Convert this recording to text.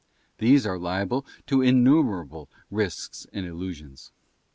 These are liable to innumerable risks and illusions.